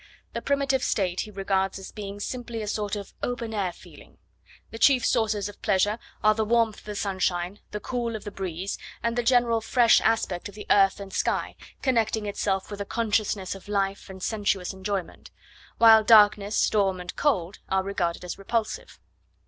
The primitive state he regards as being simply a sort of 'open air feeling.' The chief sources of pleasure are the warmth of the sunshine, the cool of the breeze and the general fresh aspect of the earth and sky, connecting itself with a consciousness of life and sensuous enjoyment; while darkness, storm and cold are regarded as repulsive.